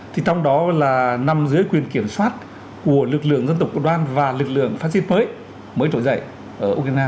thì trong đó là nằm dưới quyền kiểm soát của lực lượng dân tộc cộng đoan và lực lượng phát xít mới mới trở dậy ở ukraine